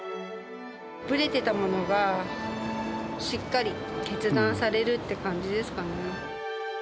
ぶれてたものが、しっかり決断されるって感じですかね。